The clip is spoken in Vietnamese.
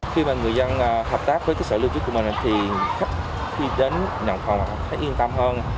khi mà người dân hợp tác với cái sở lưu trú của mình thì khách khi đến nhận phòng thấy yên tâm hơn